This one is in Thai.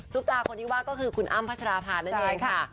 ตาคนที่ว่าก็คือคุณอ้ำพัชราภานั่นเองค่ะ